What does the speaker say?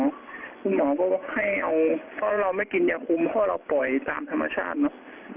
คุณหมอก็บอกให้เอาเพราะเราไม่กินยาคุมเพราะเราปล่อยตามธรรมชาติเนอะ